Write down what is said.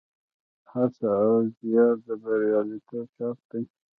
هڅه او زیار د بریالیتوب شرط دی.